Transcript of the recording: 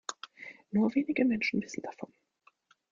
Nur wenige Menschen wissen davon.